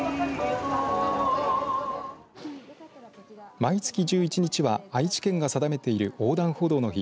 毎月１１日は愛知県が定めている横断歩道の日。